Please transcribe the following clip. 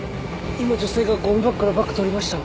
今女性がゴミ箱からバッグ取りました！